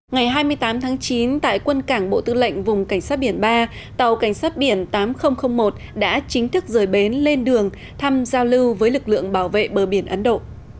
ngày hai mươi tám tháng chín tại quân cảng bộ tư lệnh vùng cảnh sát biển ba tàu cảnh sát biển tám nghìn một đã chính thức rời bến lên đường thăm giao lưu với lực lượng bảo vệ bờ biển ấn độ